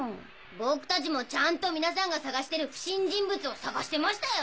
僕たちもちゃんと皆さんが捜してる不審人物を捜してましたよ。